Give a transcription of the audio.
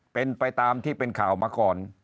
เป็นไปตามที่เป็นข่าวมาก่อน